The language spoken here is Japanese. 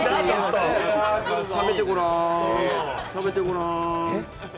食べてごらん。